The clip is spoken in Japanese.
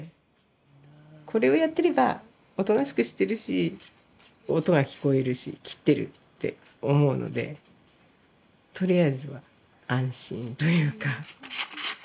これをやってればおとなしくしてるし音が聞こえるし切ってるって思うのでとりあえずは安心というか。